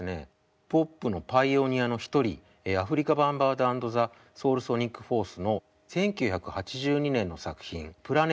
ヒップホップのパイオニアの一人アフリカ・バンバータアンド・ザ・ソウルソニック・フォースの１９８２年の作品「ＰｌａｎｅｔＲｏｃｋ」という曲です。